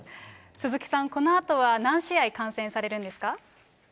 鈴木さん、このあとは何試合観戦されるんですか？